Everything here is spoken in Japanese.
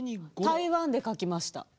台湾で書きました。